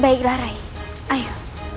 baiklah rai ayo